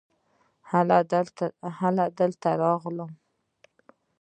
هلته درغلی وم .